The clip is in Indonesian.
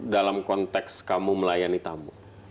dalam konteks kamu melayani tamu